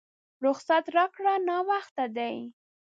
رخصت راکړه ناوخته دی!